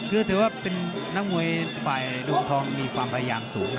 คือถือว่าเป็นนักมวยฝ่ายดวงทองมีความพยายามสูงนะ